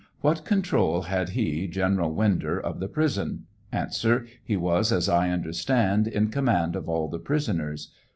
What control had he (General Winder) of the prison ? A. He was, as I understand, in command of all the prisoners.